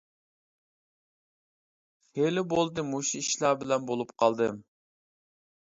خېلى بولدى مۇشۇ ئىشلار بىلەن بولۇپ قالدىم.